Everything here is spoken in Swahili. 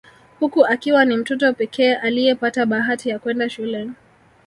Huku akiwa ni mtoto pekee aliyepata bahati ya kwenda shule